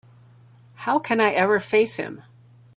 How can I ever face him?